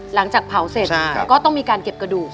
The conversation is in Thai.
หลังจากเผาเสร็จก็ต้องมีการเก็บกระดูก